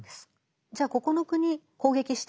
じゃあここの国攻撃したいな。